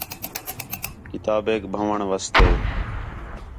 کتابیک بھن٘ؤݨ واسطے